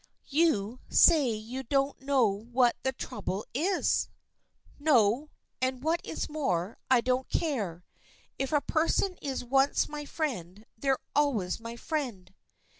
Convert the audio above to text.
" You say you don't know what the trouble is ?"" No, and what is more, I don't care. If a per son is once my friend they're always my friend."